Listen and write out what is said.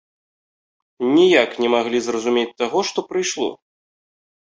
Ніяк не маглі зразумець таго, што прыйшло.